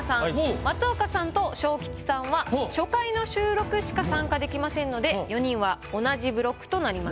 松岡さんと昇吉さんは初回の収録しか参加できませんので４人は同じブロックとなります。